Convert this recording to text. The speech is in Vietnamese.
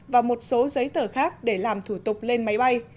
và một số giấy tờ khác để làm thủ tục lên máy bay